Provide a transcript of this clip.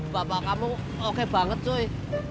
bapak kamu oke banget cuy